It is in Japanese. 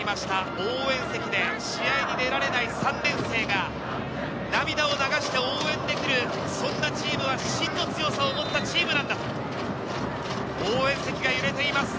応援席で試合に出られない３年生が涙を流して応援できる、そんなチームは真の強さを持ったチームなんだと、応援席が揺れています。